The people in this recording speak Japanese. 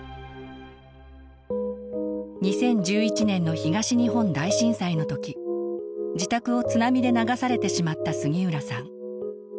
２０１１年の東日本大震災の時自宅を津波で流されてしまった杉浦さん。